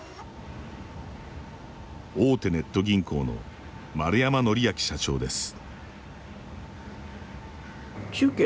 大手ネット銀行の円山法昭社長です。